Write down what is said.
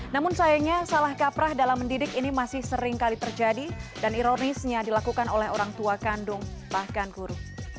namun sayangnya salah kaprah dalam mendidik ini masih seringkali terjadi dan ironisnya dilakukan oleh orang tua kandung bahkan guru